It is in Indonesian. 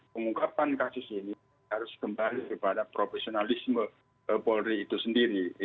pengungkapan kasus ini harus kembali kepada profesionalisme polri itu sendiri